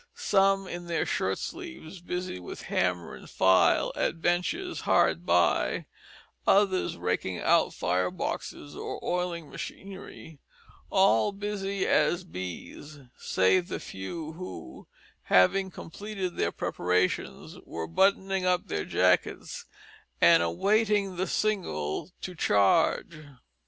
Some in their shirt sleeves busy with hammer and file at benches hard by; others raking out fire boxes, or oiling machinery; all busy as bees, save the few, who, having completed their preparations, were buttoning up their jackets and awaiting the signal to charge.